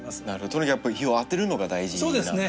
とにかくやっぱり日を当てるのが大事なんですね。